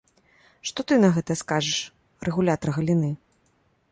Што ты на гэта скажаш, рэгулятар галіны?